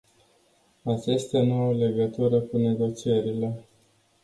Acestea nu au legătură cu negocierile.